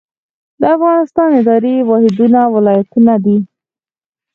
د افغانستان اداري واحدونه ولایتونه دي